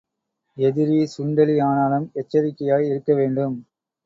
எதிரி சுண்டெலி ஆனாலும் எச்சரிக்கையாய் இருக்க வேண்டும்.